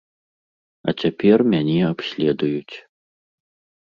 А цяпер мяне абследуюць.